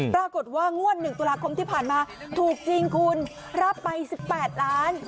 ปรากฏว่างวด๑ตุลาคมที่ผ่านมาถูกจริงคุณรับไป๑๘ล้าน